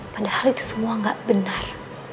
padahal itu semua nggak benar